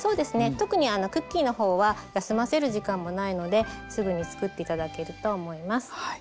特にクッキーの方は休ませる時間もないのですぐにつくって頂けると思います。